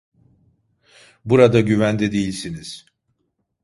Burada güvende değilsiniz.